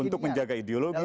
untuk menjaga ideologi